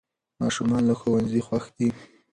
ماشومان له ښوونځي خوښ دي.